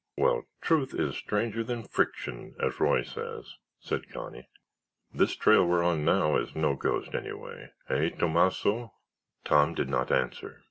"Well, truth is stranger than friction, as Roy says," said Connie; "this trail we're on now is no ghost, anyway—hey, Tomasso?" Tom did not answer.